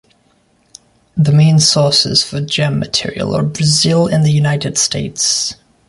The main sources for gem material are Brazil and the United States.